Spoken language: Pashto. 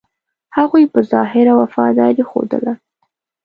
هغوی په ظاهره وفاداري ښودله.